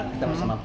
kita bersama polisi